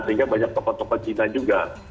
sehingga banyak tokoh tokoh cina juga